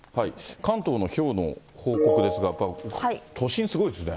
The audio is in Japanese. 関東のひょうの報告ですが、やっぱ都心、すごいですね。